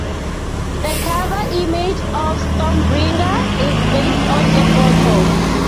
The cover image of "Stormbringer" is based on a photo.